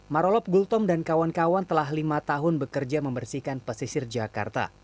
marolob gultom dan kawan kawan telah lima tahun bekerja membersihkan pesisir jakarta